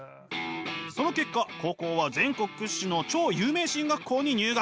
その結果高校は全国屈指の超有名進学校に入学。